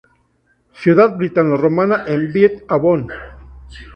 Ciudad britano-romana en Bath, Avon.